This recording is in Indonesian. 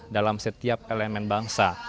dalam setiap elemen bangsa